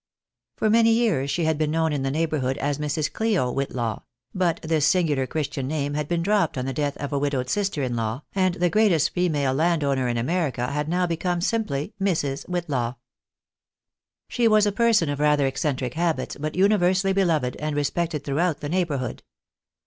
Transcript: For many years she had been known in the neighbourhood as Mrs. Clio Whitlaw ; but this singular Christian name had been dropped on the death of a widowed sister in law, and the greatest female landowner in America had now become simply Mrs. Whitlaw. She was a person of rather eccentric habits, but universally beloved and respected throughout the neighbourhood.